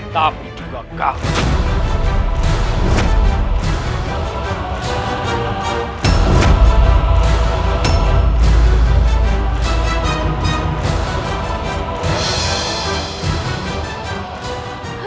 tapi juga kamu